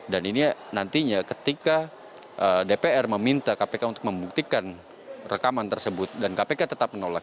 ini nantinya ketika dpr meminta kpk untuk membuktikan rekaman tersebut dan kpk tetap menolak